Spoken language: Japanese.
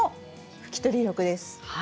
拭き取り力です。